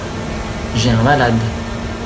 J’ai un malade.